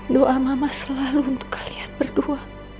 doa mama selalu untuk kalian berdua